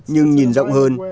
nhưng nhìn rộng hơn